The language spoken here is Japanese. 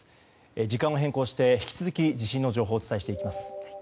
時間を変更して引き続き地震の情報をお伝えしていきます。